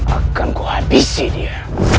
akan kuhabisi dia